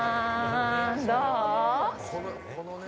どう？